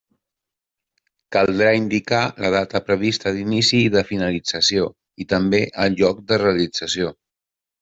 Caldrà indicar la data prevista d'inici i de finalització, i també el lloc de realització.